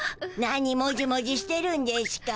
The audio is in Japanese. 何もじもじしてるんでしゅか。